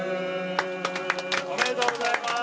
・おめでとうございます。